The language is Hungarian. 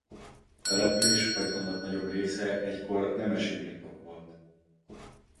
A település vagy annak nagyobb része egykor nemesi birtok volt.